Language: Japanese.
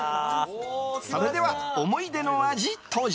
それでは思い出の味、登場。